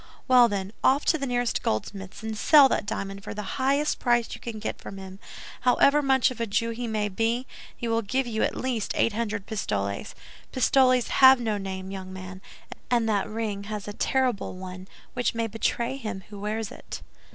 "Well, then, off to the nearest goldsmith's, and sell that diamond for the highest price you can get from him. However much of a Jew he may be, he will give you at least eight hundred pistoles. Pistoles have no name, young man, and that ring has a terrible one, which may betray him who wears it."